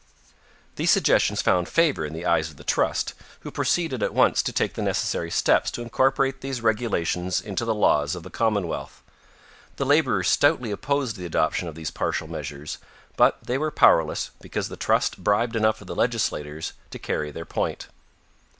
These suggestions found favor in the eyes of the Trust who proceeded at once to take the necessary steps to incorporate these regulations into the laws of the commonwealth. The laborers stoutly opposed the adoption of these partial measures, but they were powerless because the Trust bribed enough of the legislators to carry their point.